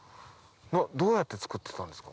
どうやって作ってたんですか？